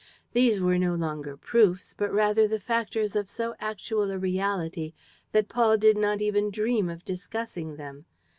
These were no longer proofs, but rather the factors of so actual a reality that Paul did not even dream of discussing them.